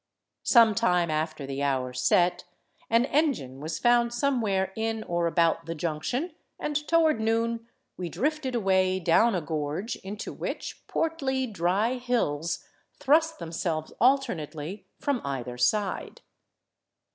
Some time after the hour set, an engine was found somewhere in or about the junction, and toward noon we drifted away down a gorge into which portly, dry hills thrust themselves alternately from either side.